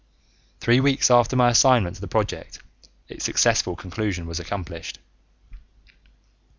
Three weeks after my assignment to the project, its successful conclusion was accomplished.